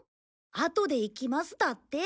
「あとで行きます」だって。